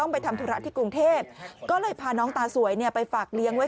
ไปทำธุระที่กรุงเทพก็เลยพาน้องตาสวยไปฝากเลี้ยงไว้